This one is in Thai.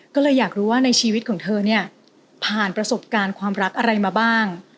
ก็เลยอยากรู้ว่าในชีวิตของเธอเนี่ยผ่านประสบการณ์ความรักอะไรมาบ้าง